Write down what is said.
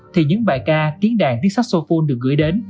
thì những bài ca tiếng đàn tiếng saxophone được gửi đến